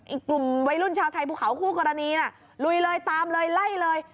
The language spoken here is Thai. อีกกลุ่มวัยรุ่นชาวไทยภูเขาคู่กรณีน่ะลุยเลยตามเลยไล่เลย